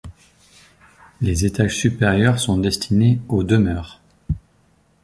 Les étages supérieurs sont destinés aux demeures.